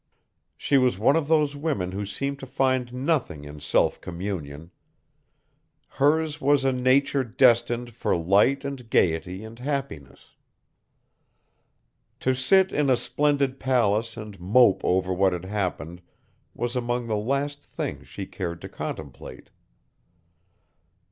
She was one of those women who seem to find nothing in self communion. Hers was a nature destined for light and gaiety and happiness. To sit in a splendid palace and mope over what had happened was among the last things she cared to contemplate.